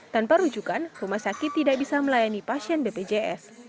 tanpa rujukan rumah sakit tidak bisa melayani pasien bpjs